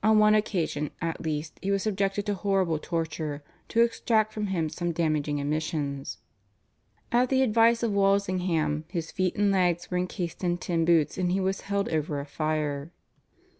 On one occasion at least he was subjected to horrible torture to extract from him some damaging admissions. At the advice of Walsingham his feet and legs were encased in tin boots and he was held over a fire.